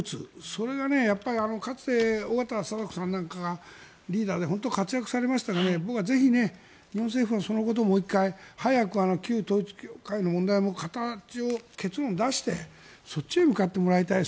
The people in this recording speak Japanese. それが、かつて緒方貞子さんなんかがリーダーで本当に活躍されましたが僕はぜひ日本政府にそのことを、もう一回早く旧統一教会の問題も形を、結論を出してそっちに向かってもらいたい。